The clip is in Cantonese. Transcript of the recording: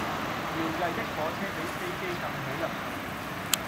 搖曳的火車比飛機更好入睡